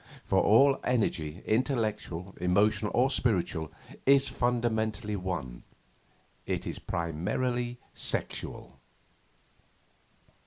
For all energy, intellectual, emotional, or spiritual, is fundamentally one: it is primarily sexual.